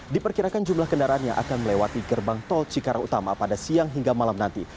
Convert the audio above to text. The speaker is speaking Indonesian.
diperkirakan jumlah kendaraan yang akan melewati gerbang tol cikarang utama pada siang hingga malam nanti